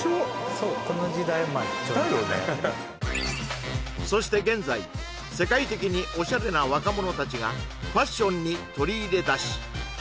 そうこの時代まあだよねそして現在世界的にオシャレな若者達がファッションに取り入れだし